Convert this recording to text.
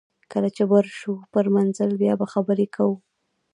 کله چې بر شو پر منزل بیا به خبرې کوو